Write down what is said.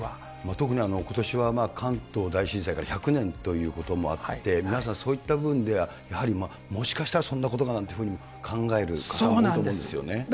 特にことしは関東大震災から１００年ということもあって、皆さん、そういった部分では、やはりもしかしたらそんなことがなんていうふうに考えると思うんそうなんです。